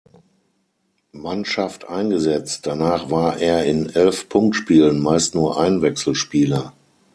Mannschaft eingesetzt, danach war er in elf Punktspielen meist nur Einwechselspieler.